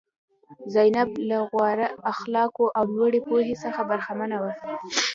زینب له غوره اخلاقو او لوړې پوهې څخه برخمنه وه.